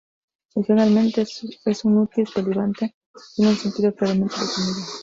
Funcionalmente, es un útil polivalente, sin un sentido claramente definido.